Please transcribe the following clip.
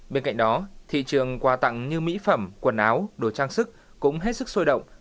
bên cạnh đó thị trường quà tặng như mỹ phẩm quần áo đồ trang sức cũng hết sức sôi động